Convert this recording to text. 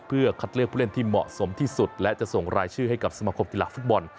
เพื่อคัดเลือกผู้เล่นที่เหมาะสมที่สุดและจะส่งรายชื่อให้กับสมคมกีฬาฟุตบอล